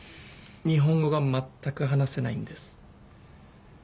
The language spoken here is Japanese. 日本語がまったく話せないんです